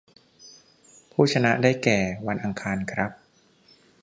ผู้ชนะได้แก่ วันอังคารครับ